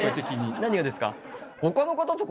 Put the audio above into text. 何がですか？